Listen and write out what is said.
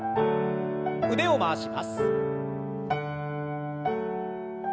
腕を回します。